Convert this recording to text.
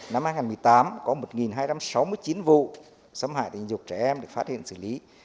năm hai nghìn một mươi tám có một hai trăm sáu mươi chín vụ xâm hại tình dục trẻ em được phát hiện xử lý